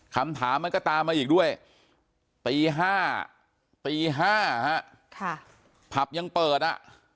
คำถามมันก็ตามมาอีกด้วยปีห้าปีห้าฮะค่ะผับยังเปิดอ่ะ